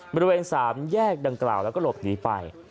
บริเวณ๓แยกดังกล่าวแล้วก็หลบหนีไป